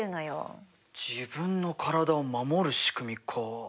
自分の体を守る仕組みか。